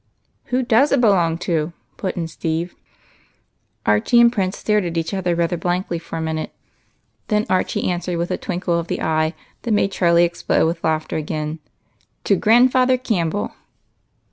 " Who does it belong to ?" put in Steve. Archie and the Prince stared at one another rather blankly for a minute, then Archie answered with a twinkle of the eye that made Charlie explode again, —" To Grandfather Campbell."